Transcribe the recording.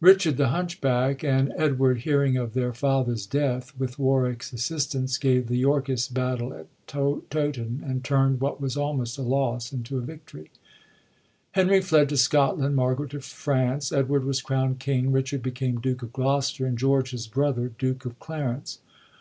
Richard the hunch back, and Edward, hearing of their father's death, with Warwick's assistance gave the Yorkists battle at Tow ton, and tumd what was almost a loss into a victory. Henry fled to Scotland, Margaret to France; Edward was crownd king ; Richard became Duke of Gloster, and George, his brother, Duke of Clarence.